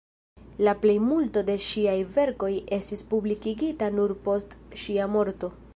La plejmulto de ŝiaj verkoj estis publikigita nur post ŝia morto.